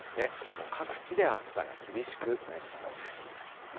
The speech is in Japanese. もう各地で暑さが厳しくなりそうです。